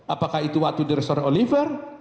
apakah itu waktu di restoran oliver